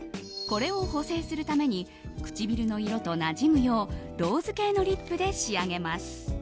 これを補正するために唇の色となじむようローズ系のリップで仕上げます。